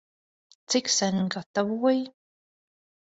Cik sen gatavoji?